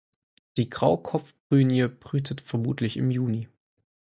Die Graukopfprinie brütet vermutlich im Juni.